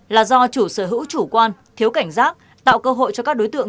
là do chủ sở hữu chủ quan thiếu cảnh giác tạo cơ hội cho các đối tượng